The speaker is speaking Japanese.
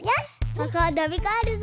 ここをとびこえるぞ！